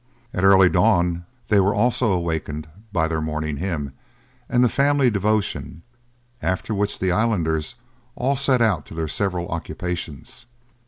At early dawn they were also awaked by their morning hymn and the family devotion; after which the islanders all set out to their several occupations.